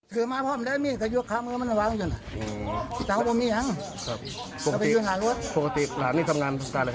ปู่บอกปู่บอกปู่บอกปู่บอกปู่บอกปู่บอกปู่บอกปู่บอกปู่บอก